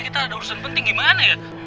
kita ada urusan penting gimana ya